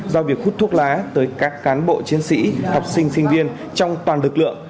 do việc hút thuốc lá tới các cán bộ chiến sĩ học sinh sinh viên trong toàn lực lượng